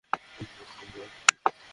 সেই মামা সেই!